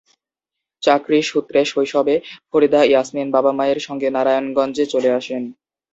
চাকরি সূত্রে শৈশবে ফরিদা ইয়াসমিন বাবা-মায়ের সঙ্গে নারায়ণগঞ্জে চলে আসেন।